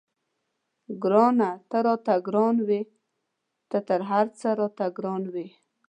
ګرانه ته راته ګران وې تر هر څه راته ګران وې.